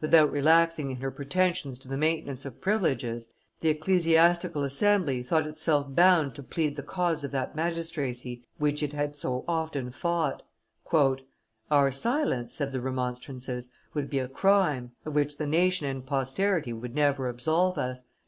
Without relaxing in her pretensions to the maintenance of privileges, the ecclesiastical assembly thought itself bound to plead the cause of that magistracy which it had so, often fought. "Our silence," said the remonstrances, "would be a crime, of which the nation and posterity would never absolve us.